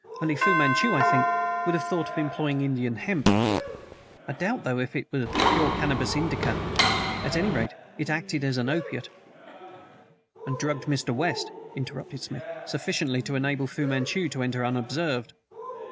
Only Fu Manchu, I think, would have thought of employing Indian hemp. I doubt, though, if it was pure Cannabis indica. At any rate, it acted as an opiate " "And drugged Mr. West," interrupted Smith, "sufficiently to enable Fu Manchu to enter unobserved."